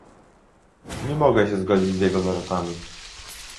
Nie mogę się zgodzić z jego zarzutami